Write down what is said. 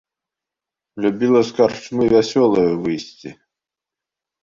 Любіла з карчмы вясёлаю выйсці.